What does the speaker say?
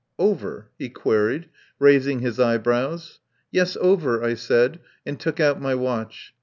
"Over?" he queried, raising his eyebrows. "Yes, over," I said, and took out my watch.